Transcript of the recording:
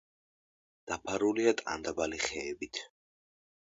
დაფარულია ტანდაბალი ხეებით.